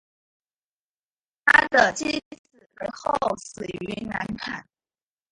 他的妻子随后死于难产。